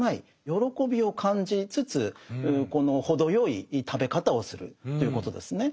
喜びを感じつつこの程よい食べ方をするということですね。